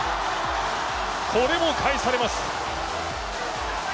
これも返されます。